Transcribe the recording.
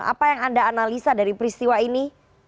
apa yang anda analisa dari peristiwa ini